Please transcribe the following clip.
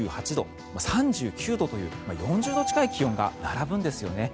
３８度、３９度という４０度近い気温が並ぶんですよね。